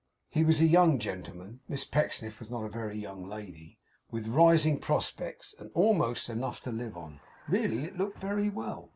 He was a young gentleman (Miss Pecksniff was not a very young lady) with rising prospects, and 'almost' enough to live on. Really it looked very well.